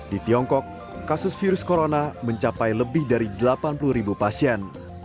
di tiongkok kasus virus corona mencapai lebih dari delapan puluh ribu pasien